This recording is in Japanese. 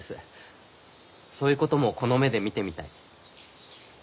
そういうこともこの目で見てみたい。